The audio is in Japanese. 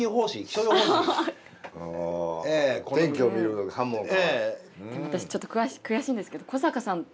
私ちょっと悔しいんですけど古坂さんと結構近い。